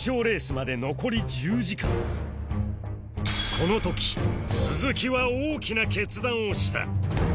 この時鈴木は大きな決断をした